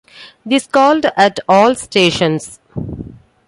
This called at all stations.